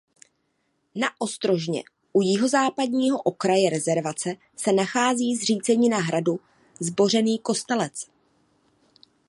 Na ostrožně u jihozápadního okraje rezervace se nachází zřícenina hradu Zbořený Kostelec.